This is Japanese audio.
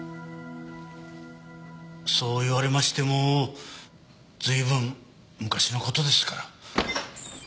そう言われましても随分昔の事ですから。